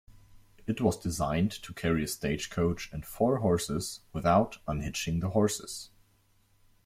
It was designed to carry a stagecoach and four horses without unhitching the horses.